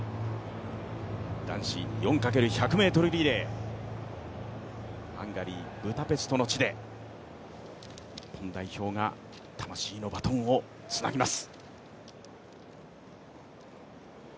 男子４×１００ｍリレー、ハンガリー・ブダペストの地で日本代表が魂のバトンをつなぎます。